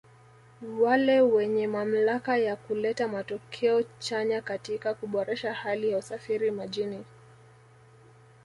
wale wenye mamlaka ya kuleta matokeo chanya katika kuboresha hali ya usafiri majini